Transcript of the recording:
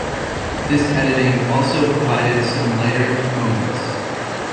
This editing also provided some lighter moments.